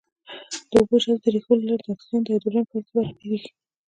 د اوبو جذب د ریښو له لارې د اکسیجن او هایدروجن په واسطه برابریږي.